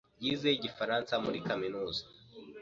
yize igifaransa muri kaminuza.